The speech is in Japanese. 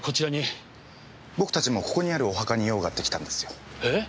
僕たちもここにあるお墓に用があって来たんですよ。えっ？